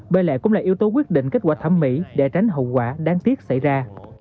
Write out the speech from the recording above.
bởi lẽ cũng là yếu tố quyết định kết quả thẩm mỹ để tránh hậu quả đáng tiếc xảy ra